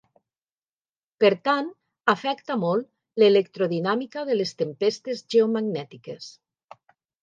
Per tant, afecta molt l'electrodinàmica de les tempestes geomagnètiques.